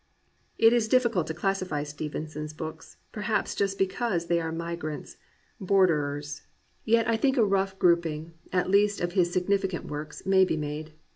It is diflBcult to classify Stevenson's books, per haps just because they are migrants, borderers. 365 COMPANIONABLE BOOKS Yet I think a rough grouping, at least of his signif icant works, may be made.